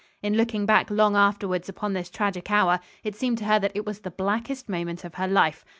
In looking back long afterwards upon this tragic hour, it seemed to her that it was the blackest moment of her life.